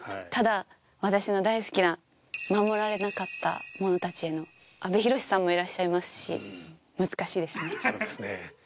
ただ私の大好きな『護られなかった者たちへ』の阿部寛さんもいらっしゃいますし難しいですね。